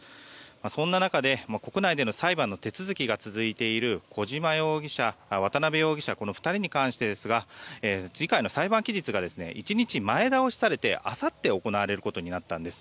そんな中で、国内での裁判の手続きが続いている小島容疑者、渡邉容疑者の２人に関してですが次回の裁判期日が１日前倒しされてあさって行われることになったんです。